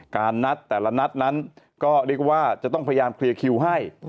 การนัดแต่ละนัดนั้นก็เรียกว่าจะต้องพยายามเคลียร์คิวให้